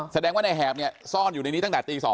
แสดงว่าในแหบเนี่ยซ่อนอยู่ในนี้ตั้งแต่ตี๒